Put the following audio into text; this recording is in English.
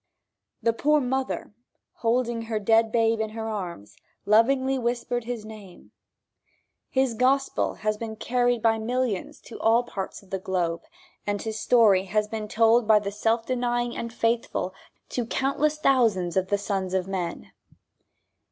The poor mother, holding her dead babe in her arms, lovingly whispered his name. His gospel has been carried by millions to all parts of the globe, and his story has been told by the self denying and faithful to countless thousands of the sons of men.